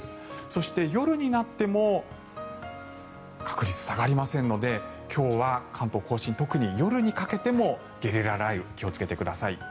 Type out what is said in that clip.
そして、夜になっても確率下がりませんので今日は関東・甲信特に夜にかけてもゲリラ雷雨気をつけてください。